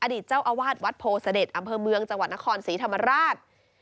เจ้าอาวาสวัดโพเสด็จอำเภอเมืองจังหวัดนครศรีธรรมราช